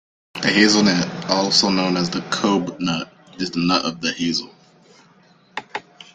The hazelnut, also known as the cobnut, is the nut of the hazel.